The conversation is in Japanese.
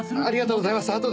ありがとうございます。